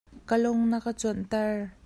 Ka lung na ka cunh ter.